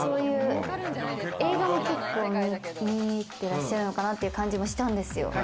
映画も結構見てらっしゃるのかなっていう感じもしたんですよ。